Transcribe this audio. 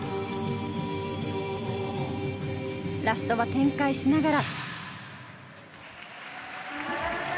ラストは転回しながら。